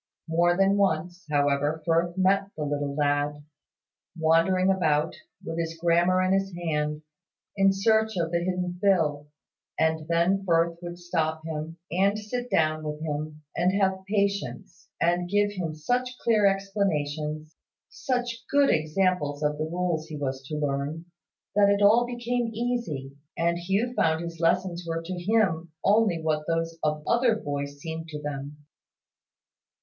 More than once, however, Firth met the little lad, wandering about, with his grammar in his hand, in search of the hidden Phil; and then Firth would stop him, and sit down with him, and have patience, and give him such clear explanations, such good examples of the rules he was to learn, that it all became easy, and Hugh found his lessons were to him only what those of other boys seemed to them.